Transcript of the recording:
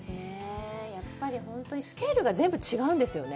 やっぱり本当にスケールが全部違うんですよね。